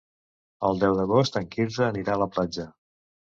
El deu d'agost en Quirze anirà a la platja.